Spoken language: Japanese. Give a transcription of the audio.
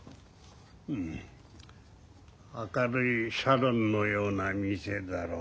うん明るいサロンのような店だろ。